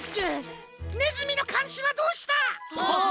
ねずみのかんしはどうした！あっ！